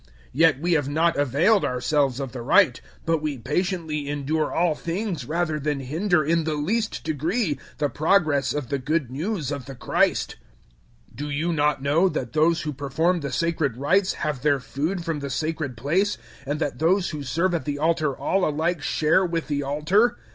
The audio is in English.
Yet we have not availed ourselves of the right, but we patiently endure all things rather than hinder in the least degree the progress of the Good News of the Christ. 009:013 Do you not know that those who perform the sacred rites have their food from the sacred place, and that those who serve at the altar all alike share with the altar?